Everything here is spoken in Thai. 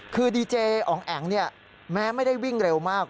คือดีเจอองแอ๋งแม้ไม่ได้วิ่งเร็วมาก